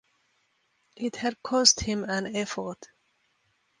It had cost him an effort.